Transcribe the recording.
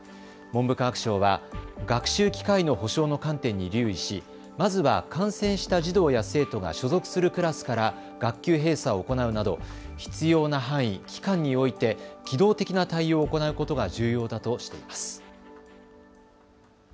文部科学省は学習機会の保障の観点に留意し、まずは感染した児童や生徒が所属するクラスから学級閉鎖を行うなど必要な範囲、期間において機動的な対応を行うことが重要だとしています。